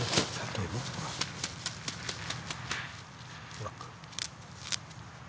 ほら。